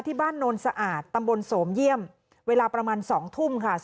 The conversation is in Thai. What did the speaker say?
โนนสะอาดตำบลโสมเยี่ยมเวลาประมาณ๒ทุ่มค่ะ